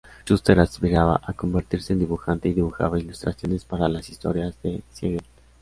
Shuster aspiraba a convertirse en dibujante, y dibujaba ilustraciones para las historias de Siegel.